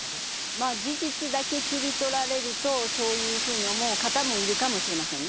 まあ事実だけ切り取られるとそういうふうに思う方もいるかもしれませんね。